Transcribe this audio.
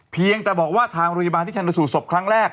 เพียงแต่บอกว่าทางโรงพยาบาลที่ชนสูตรศพครั้งแรก